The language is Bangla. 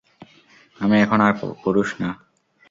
আমি এখন আর পুরুষ না।